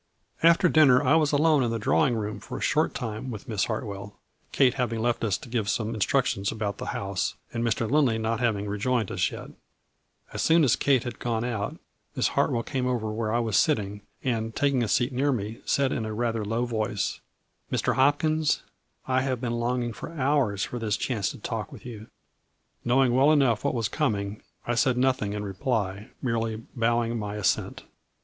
After dinner I was alone in the drawing room for a short time with Miss Hartwell, Kate hav ing left us to give some instructions about the house, and Mr. Lindley not having rejoined us yet. As soon as Kate had gone out, Miss Hartwell came over where I was sitting, and taking a seat near me, said, in a rather low voice :" Mr. Hopkins, I have been longing for hours for this chance to talk with you." 142 A FLURRY IN DIAMONDS. Knowing well enough what was coming, I said nothing in reply, merely bowing my assent.